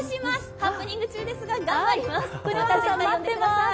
ハプニング中ですが頑張ります。